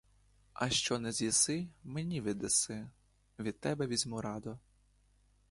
А що не з'їси, мені віддаси — від тебе візьму радо!